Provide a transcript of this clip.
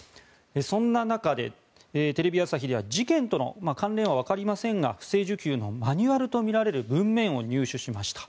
そんな中で、テレビ朝日では事件との関連はわかりませんが不正受給のマニュアルとみられる文面を入手しました。